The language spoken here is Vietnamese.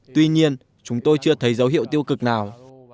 tôi chưa thấy dấu hiệu tiêu cực nào